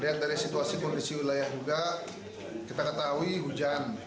lihat dari situasi kondisi wilayah juga kita ketahui hujan